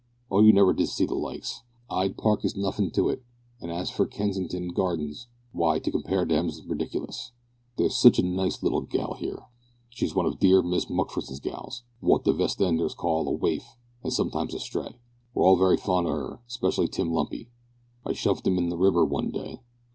O you never did see the likes. ide park is nuffin to it, an as for Kensintn gardings wy to kompair thems rediklis. theres sitch a nice little gal here. shes wun of deer mis mukfersons gals wot the vestenders calls a wafe and sometimes a strai. were all very fond of er spesially tim lumpy. i shuvd im in the river wun dai.